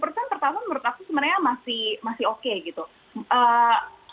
range yang normal menurut aku